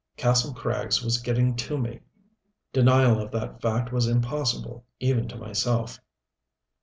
Kastle Krags was getting to me denial of that fact was impossible even to myself.